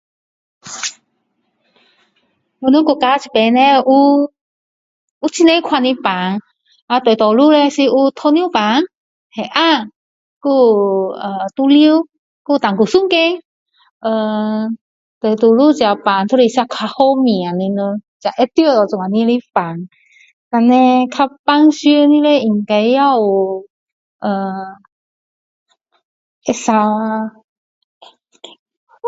我们国家这边叻有很多种的病啊大多数叻有糖尿病血压还有呃毒瘤还有胆固醇高呃大多数病都是较好命的人才会中到这样的病然后叻较平常的叻应该也有呃会咳嗽啊